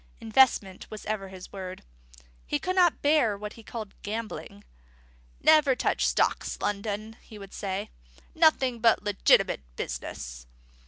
Investment was ever his word. He could not bear what he called gambling. "Never touch stocks, Loudon," he would say; "nothing but legitimate business."